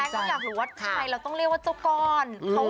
ไม่แจ๊งก็อยากรู้ว่าใครเราต้องเรียกว่าเจ้าก้อน